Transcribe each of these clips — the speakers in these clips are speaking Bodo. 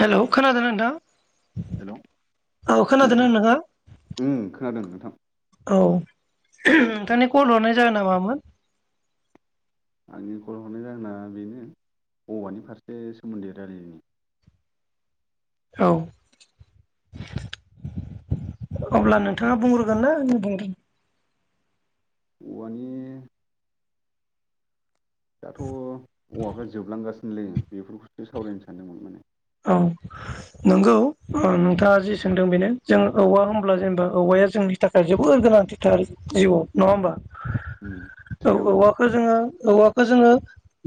हेल खोनादोंना नोंथां? हेल' औ खोनादों आं ओम नोंथङा खोनादों नोंथां [inaudible] औ नोंथांनि कल हरनाय जाहोना मामोन आंनि कल हरनाय जाहोना बेनो औवानि फारसे सोमोन्दै रायलायनि औ [inaudible] अब्ला नोंथाङा बुंग्रोगोन ना आ बुंगोन औवानि दाथ' औवाफ्रा जोबलांगासिनोलै बेफोरखौसो सावरायनो सानदोंमोन आं औ नंगौ ओ नोंथाङा जि सोंदों बेनो जों औवा होमब्ला जेनेबा औवाया जोंनि थाखाय जोबोर गोनांथिथार जिउआव नङा होमबा ओम औ सिगां औवाखौ जोङो औवाखौ जोङो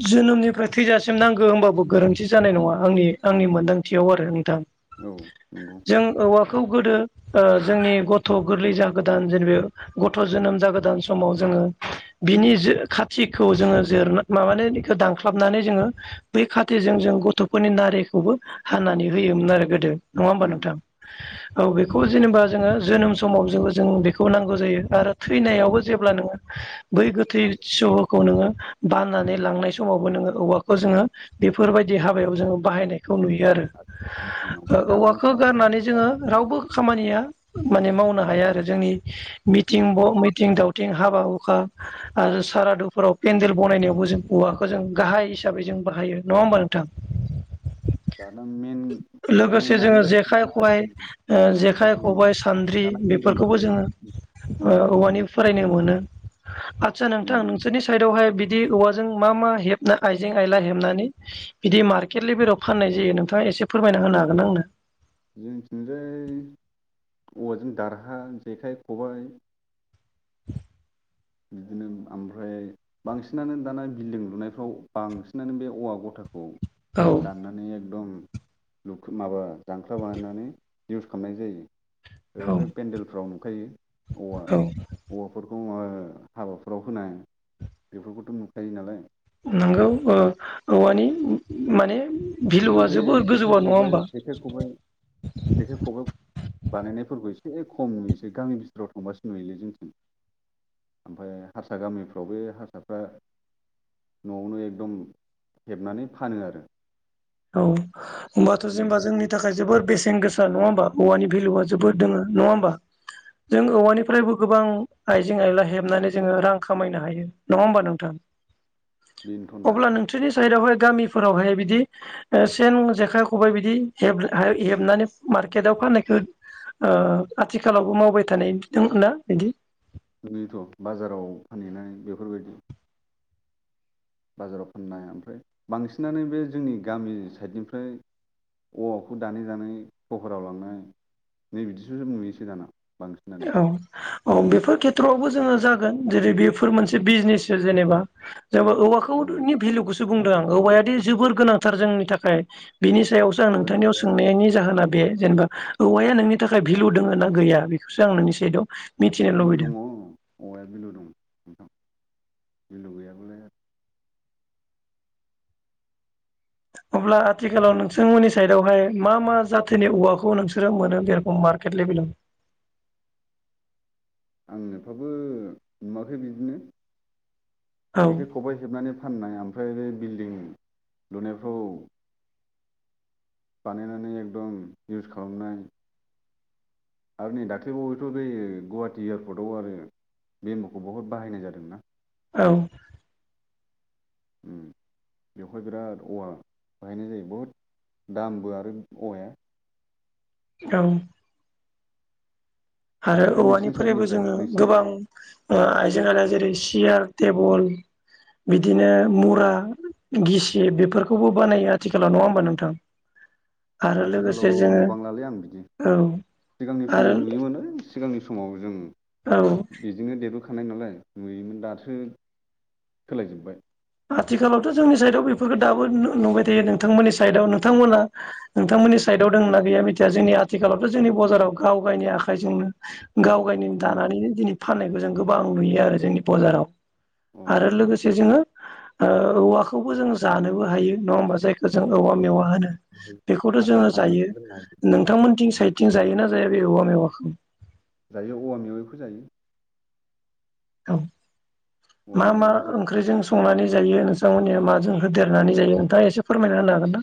जोनोमनिफ्राय थैजासिम नांगौ होनबाबो गोरोन्थि जानाय नङा आंनि आंनि मोनदांथियाव आरो नोंथां औ नंगौ जों औवा खौ गोदो जोंनि गथ' गोरलै जागोदान जेनब गथ' जोनोम जागोदान समाव जों ओ बिनि जो खाथिखौ जोङो जिरना माबानायखौ दानख्लाबनानै जोङो बै खाथेजों जों गथ'फोरनि नारे खौबो हानानै होयोमोन आरो गोदो नङा होमबा ओम नोंथां औ बे खौ जेनेबा जोङो जोनोम समाव जोङो जों बेखौ नांगौ जायो आरो थैनायावबो जेब्ला नोङो बै गोथै नांगौ सहखौ नोङो बाननानै लांनाय समावबो नोङो औवाखौ जोङो बेफोरबायदि हाबायाव जोङो बाहायनाय खौ नुयो आरो दिनाव ओ बे दालां औवाखौ सालां गारनानै जोङो दालांफोर रावबो बानायनानै खामानिया माने मावनो हा हाया आरो जोंनि मिथिं ब मिथिं दावथिं हाबा हुखा आरो सारादुफोराव पेन्न्देल बनायनायावबो जों औवाखौ जों गाहाय हिसाबै जों बाहायो नङा होमबा नोंथां [inaudible] दा नों मेन लोगोसे मेनानो जोङो जाहैबाय जेखाइ दाना खबाइ आजिखालि ओ जेखाइ बिल्डिं खबाइ सान्द्रि दाना बिल्डिं बेफोरखौबो बानायोना जोङो ओम ओ औवानि फ्रायनो मोनो आतसा नोंथां नोंसोरनि साइदावहाय बि दि औवाजों मा मा हेबना आइजें आइला हेबनानै बिदि मार्केट लेभेलाव फाननाय जायो नोंथाङा एसे फोरमायना होनो हागोन आंनो जोंनिथिंजाय औवाजों दारहा जेखाइ खबाय [inaudible] बिदिनो आमफ्राय बांसिनानो दाना बिल्डिं लुनायफ्राव बांसिनानो बे औवा गथाखौ औ दाननानै एकदम लुनो माबा जांख्ला बानायनानै इउस खालामनाय जायो औ ओरैनोथ' पेन्देलफ्राव नुखायो औवा औ औवाफोरखौ माबा हाबाफोराव होनाय बेफोरखौथ' नुखायो नालाय नंगौ ओ औवानि माने खिन्थु भेलुआ बे जोबोर जेखाइ गोजौआ नङा खबाइ होमबा जेखाइ खबाइ जेखाइ खबाइ बानायनायफोरबो इसे एसे खम नुयोसो गामि भिथोराव थांबासो नुयोलै जोंनिथिं ओमफ्राय हारसा गामिफ्रावबो हारसाफ्रा न'आवनो एकदम हेबनानै फानो आरो औ होमबाथ' जेनेबा जोंनि थाखाय जोबोर बेसेन गोसा नङा होमबा औवानि भेलुआ जोबोद दोङो नङा होमबा [inaudible] जों औवानिफ्रायबो गोबां आइजें आयला हेबनानै जोङो रां खामायनो हायो नङा होमबा नोंथां बेनोथ दा साइदआवहाय गामिफोरावहाय बिदि ओ सेन जेखाइ खबाइ बिदि हेब हेबनानै मार्केटाव फाननायखो ओ आथिखालावबो मावबाय थानाय दों ना बिदि बिनोथ' बाजाराव फानहैनानै बेफोरबायदि बाजाराव फाननाय ओमफ्राय बांसिनानो बे जोंनि गामि साइडनिफ्राय औवाखौ दानै दानै फहराव लांनाय नै बिदिसोस नुययोसो दाना बांसिनानो औ औ बेफोर खेथ्रआवबो जोङो जागोन जेरै बेफोर मोनसे बिजनेस जेनेबा जोंबो औवाखौ उम धोननि भेलुखौसो बुंदों आं औवायादि जोबोर गोनांथार जोंनि थाखाय बिनि सायावसो आं नोंथांनियाव गोनांथ' आरो सोंनायनि जाहोना बे जेनेबा औवाया नोंनि थाखाय भेलु दोङो ना गैया बेखौसो आं नोंनि सायादाव बिलु दङ औवाया बिलु नोंथां भेलु गैयाबालाय अब्ला आथिखालाव नोंसोरमोननि साइडावहाय मा मा जाथोनि औवाखौ नोंसोरो मोनो बे रखम मारकेट बेलग बेलेग [inaudible] आं इफाबो नुवाखै बिदिनो औ जेखाइ खबाइ हेबनानै फाननाय आ ओमफ्राय बे बिल्डिं लुनायफ्राव बानायनानै एकदम इउस खालामनाय आरो नै दाख्लैबावैथ' बै गुवाहाटि एयारपर्टआव आरो बेम'बुखौ बहुद बाहायनाय जादोंना औ उम बेवहाय बिराद औवा बाहायनाय जायो बहुद दामबो आरो औवाया औ आरो दा नोंसिनि औवानिफ्रायबो साइडनिफ्राय जोङो नोंसिनि गोबां ओ आइजें आइाया जेरै सियार टेबोल बिदिनो मुरा गिसि बेफोरखौबो बानायो आथिखालाव नङा होमबा नोंथां आरो लोगोसे आथिखालाव जोङो नुबांलालै आं बिदि औ सिगांनि आरो समाव नुयोमोनो सिगांनि समाव जों औ बिदिनो देरबोखा थानाय नालाय नुयोमोन दासो सोलायजोब्बाय आथिखालावथ' जोंनि साइडआव बेफोरखौ दाबो नुबाय थायो नोंथांमोननि साइडआव नोंथांमोना नोंथांमोननि साइदआव दं ना गैया मिथिया जोंनि आथिखालावथ' जोंनि बाजाराव गाव गायनि आखाइजोंनो गाव गायनो दानानैनो दिनै फाननायखौ जों गोबां नुयो आरो जोंनि बाजाराव आरो लोगोसे जोङो ओ औवाखौबो जों जानोबो हायो नङा होमबा जाय जों औवा अ औ मेवा होनो बेखौथ' आसार जोङो खालामनानै जायो दोननाय नोंथांमोनथिं साइथिं जायोना जाया बे औवा मेवाखौ जायो औवा मेवाइखौ जायो औ औवा मा मा मेवाइखौ जायो ओंख्रिजों संनानै जायो नोंथांमोननिया माजों होदेरनानै जायो नोंथाङा एसे फोरमायना होनो हागोन ना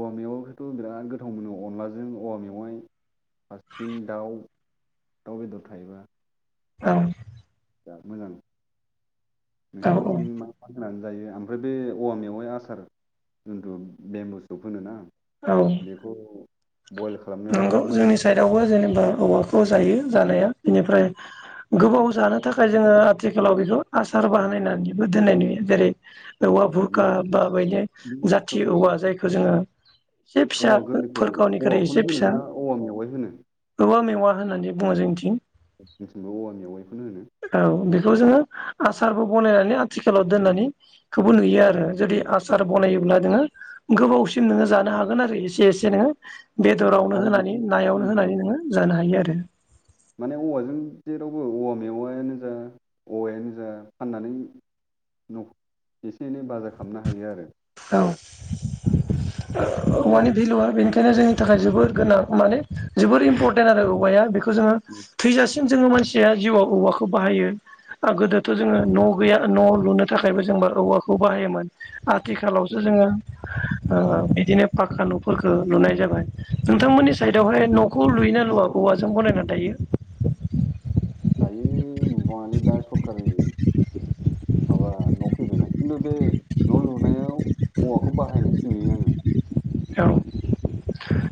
औवा मेवखौथ' बिराद गोथाव मोनो अनलाजों औवा मेवाय फारसेथिं दाउ दाउ बेदर थायोबा औ जा मोजां ना औ नोंसिनिथिं मा मा होनानै जायो ओमफ्राय बे औवा मेवाय आसार जन्थु बेम्बु सुब होनो ना औ खालामनायाव नंगौ बिराद मोजां जोंनि साइदआवबो जेनेबा औवा खौ जायो जानाया बेनिफ्राय गोबाव जानो थाखाय जोंङो आथिखालाव बेखौ आसार बाहानायनानैबो दोननाय नुयो जेरै औवा औ बुरखा नोंसिनिथिं बा बेनो बे जाथि बुस्थुखौ औवा जायखौ जोंङो एसे फिसा औवा गोरलैखौ फोर गावनिक्रुइ एसे औवाखौनो होनो फिसा ना औवा मेवाइ होनो औवा मेवा मा होननानै बुंङो जोंनिथिं जोंनिथिंबो औवा मेवाइखौनो होनो औ बेखौ जोंङो आसारबो बनायनानै आथिखालाव दोननानैखौबो नुयो आरो जुदि आसार बनाय ब्ला जोंङो गोबावसिम नोंङो जानो हागोन आरो एसे एसे नो औ बेदरावनो आरो होनानै बेखौनो नायावनो फाननो होनानै हाबावो नोंङो जानो हायो आरो माने औवाजों जेरावबो औवा मेवायानो जा औवायानो जा फाननानै न एसे एनै बाजा खालामनो हायो आरो। औ जेराव औवानि भेलु आनो बेनिखायनो जों निथाखाय जोबोर गोनां माने जोबोर इम्परटेन्ट आरो औवाया बेखौ जोंङो थैजासिम जोंङो मानसिया जिउआव औवाखौ बाहायो आ गोदोथ' जोंङो न' गैया न' लुनो थाखायबो जोंबा औवाखौ बाहायोमोन आ थिखालावसो जोंङो ओ बिदिनो पाक्का न'फोरखौ लुनाय जाबाय नोंथांमोननि साइडआवहाय न'खौ लुयोना लुवा औवाजों बानायना दायो। दायो न'आनो दा सरखारनि माबा न' फैबायना खिन्थु बे न' लुनायाव औवाखौ बाहायनायसो नुयो आंङो। औ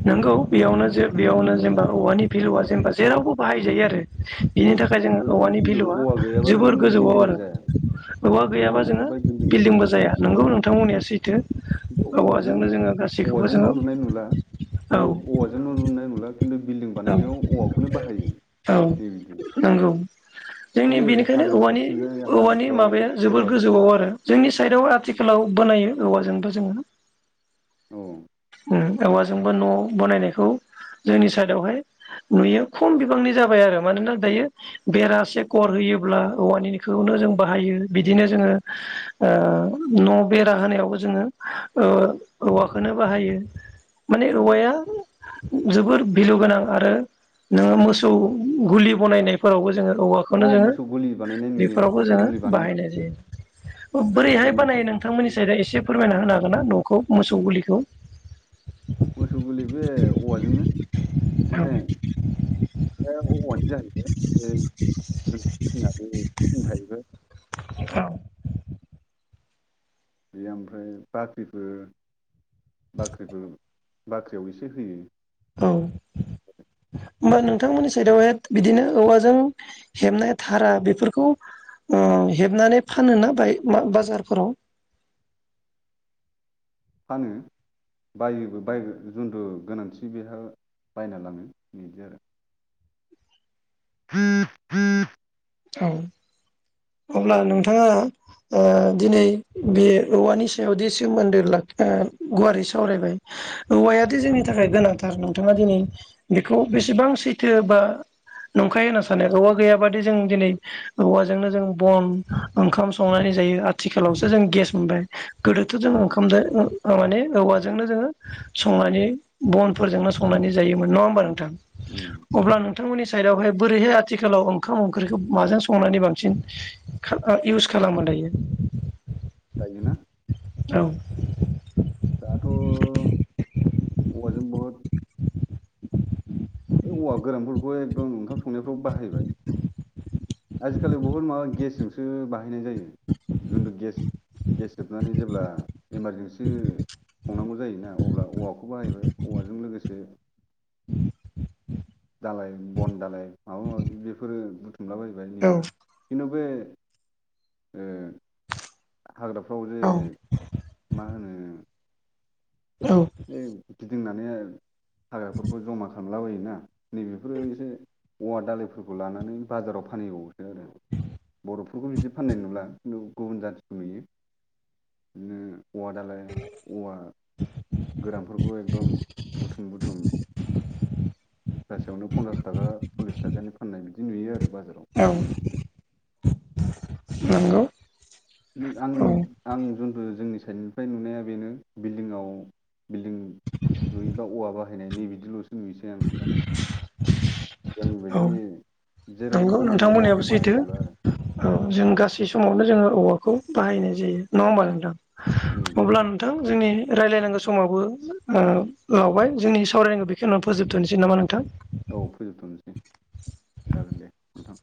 नोंगौ बेयावनो जे बेयावनो जेनेबा औवानि भेलुवा जेनेबा जेरावबो बाहाय जायो आरो। बिनि उम थाखाय जों ओरैबायदि औवानि बिलो भेलुआ औवा गैयाबानो जोबोर नोंनाव गोजौआव बिल्डिंबो आरो। जाया औवा गैयाबा जोंङो बिल्डिंबो जाया नंगौ नोंथां बुंनाया सैथो खिन्थु औवाजों औवाजोंनो जोंङो गा औवाजों न' लुनाय नुला खिन्थु औवाजों न' लुनाय नंला आरो। खिन्थु बिल्डिं औ बानायनायाव औवाखौनो बाहायो औ जेरैबो। नंगौ जोंनि बेनिखायनो औवानि-औवानि हाजोफ्राव माबाया जोबोर औवाजों गोजौआव आरो जोंनि सायेदाव आथिखालाव बानायो औवाजोंबो जोंङो। औ ओं औवाजोंबो न' बनायनायखौ जोंनि सायेदावहाय नुयो खम बिबांनि जाबाय आरो मानोना दायो बेरा सेकर होयोब्ला औवानिखौनो जों बाहायो बिदिनो जोंङो ओ न' बेरा होनायावबो जोंङो औवाखौनो बाहायो माने उम औवाया जोबोर भेलु गोनां आरो नोङो मोसौ गुलि बनायनायफोरावबो जोंङो औवाखौनो अ जोंङो मोसौ गलि बानायनाय नुयो बेफोरावबो मोसौ जोंङो गलि बानायनाय बाहायनाय नुयो जायो। मोसौ बोरैहाय बानायो गलि नोंथांमोननि सायेदाव एसे फोरमायना होनो हागोन ना न'खौ मोसौ गुलिखौ। मोसौ गलि बे औवाजोंनो औ माने ओ औवानि जाहैबाय ओ [unintelligible] औ बेयो ओमफ्राय बाख्रिखो बाख्रिफोर बाख्रियाव एसे होयो। औ [inaudible] होमबा नोंथांमोननि सायेदावहाय बिदिनो औवाजों हेबनाय धारा बेफोरखौ अ हेबनानै फानोना बाय बाजारफोराव। [inaudible] फानो। बायोबो बाय- [unintelligible] गोनांथिबो गोया लांनो बिदि आरो। [unintelligible] औ [inaudible] अब्ला उम नोंथाङा ओ दिनै बे औवानि सायाव जे सोमोन्दो लाखिना गुवारै सावरायबाय औवायादि जोंनि थाखाय गोनांथार नोंथाङा दिनै बेखौ बेसेबां सैथो बा नंखाय होनना सानो औवा गैयाबादि जों दिनै औवाजोंनो जों बन ओंखाम संनानै जायो आथिखालावसो जों गेस मोनबाय। गोदोथ' जों उम उम ओंखामदो ओ माने औवा जोंनो जोङो संनानै बनफोरजोंनो संनानै जायोमोन नङा होनबा नोंथां? ओमफ्राय अब्ला नोंथांमोननि सायेदावहाय बोरैहाय आथिखालाव ओंखाम ओंख्रिखौ माजों संनानै बांसिन खा- ओ इउस खालामो दायो? दायो ना? औ दाथ' [inaudible] औवाजों बहुद औवा गोरानफोरखौ एकदम ओंखाम संनायफ्राव बाहायबाय। आजिखालि बहुद माबा गेसजोंसो बाहायनाय जायो। जुनथु गेस गेस जोबनानै जेब्ला इमारजेन्सि संनांगौ जायोना अब्ला औवाखौ बाहायबाय औवाजों लोगोसे दालाय बन दालाय माबा माबि बेफोरो बुथुमलाबाय जायो जोंनिथिं औ खिन्थु बे ओ हाग्राफ्रावजे मा होनो? औ बे गिदिंनानै हाग्राफोरखौ ज'मा [unintelligible] लाबायोना नै बेफोरो एसे औवा दालाइफोरखौ लानानै बाजाराव फानहैबावोसो आरो। बर'फोरखौ बिदि फाननाय नुला नु- गुबुन जाथिखौ नुयो, बिदिनो औवा दालाय औवा खौबो एकदम बुथुम बुथुम [unintelligible] पनसास थाखा सल्लिस थाखानि फाननाय बिदि नुयो आरो बा औ [inaudible] नंगौ। आं औ आं जन्थु जोंनि साइडनिफ्राय नुनाया बेनो बिल्दिंआव बिल्डिं लुयोबा औवा बाहायनाय नै बिदिल'सो नुयोसै आं दाना। गोदोनि औ बायदि जेरावबो नंगौ खामानियाव नोंथांमोननियाबो औवाखौ सैथो बाहायजोबला आरो। औ जों गासै समावनो जोङो औवाखौ बाहायनाय जायो नङा होमबा नोंथां? उम अब्ला नोंथां जोंनि रायलायनांगौ समावबो ओ लावबाय जोंनि सावरायनायखौ बेखिनियावनो फोजोबथ'नोसै नामा नोंथां? औ फोजोबथ'नोसै, जागोन दे नोंथां।